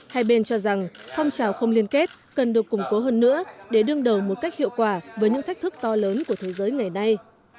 hai bên cho rằng phong trào không liên kết cần được củng cố hơn nữa để đương đầu một cách hiệu quả với những thách thức to lớn của thế giới ngày nay